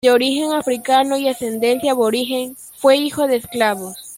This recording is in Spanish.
De origen africano y ascendencia aborigen, fue hijo de esclavos.